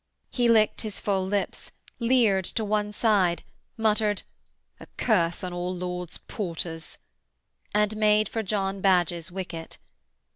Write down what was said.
He licked his full lips, leered to one side, muttered, 'A curse on all lords' porters,' and made for John Badge's wicket.